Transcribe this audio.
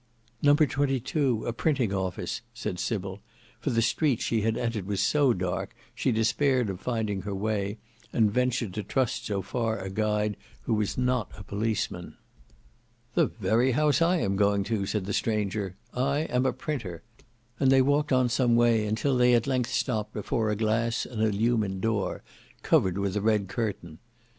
"No. 22: a printing office." said Sybil; for the street she had entered was so dark she despaired of finding her way, and ventured to trust so far a guide who was not a policeman. "The very house I am going to," said the stranger: "I am a printer." And they walked on some way, until they at length stopped before a glass and illumined door, covered with a red curtain.